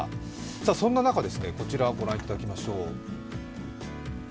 そんな中、こちらをご覧いただきましょう。